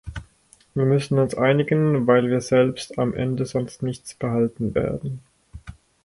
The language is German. Wir müssen uns einigen, weil wir selbst am Ende sonst nichts behalten werden.